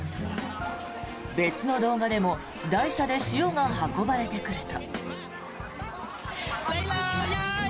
別の動画でも台車で塩が運ばれてくると。